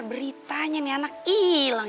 beritanya nih anak ilang